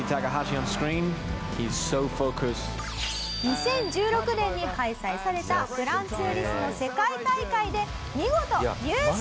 ２０１６年に開催された『グランツーリスモ』世界大会で見事優勝！